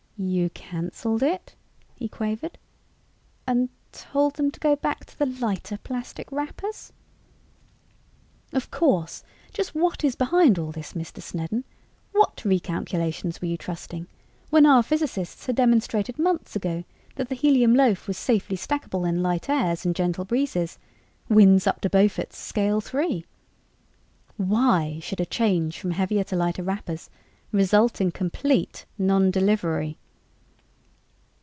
"You canceled it?" he quavered. "And told them to go back to the lighter plastic wrappers?" "Of course! Just what is behind all this, Mr. Snedden? What recalculations were you trusting, when our physicists had demonstrated months ago that the helium loaf was safely stackable in light airs and gentle breezes winds up to Beaufort's scale 3. Why should a change from heavier to lighter wrappers result in complete non delivery?"